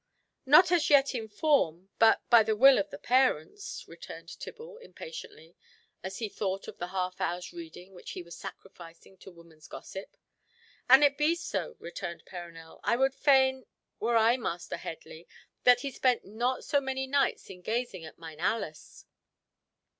"Not as yet in form, but by the will of the parents," returned Tibble, impatiently, as he thought of the half hour's reading which he was sacrificing to woman's gossip. "An it be so," returned Perronel, "I would fain—were I Master Headley—that he spent not so many nights in gazing at mine Alice."